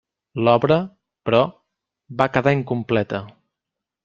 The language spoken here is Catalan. L’obra, però, va quedar incompleta.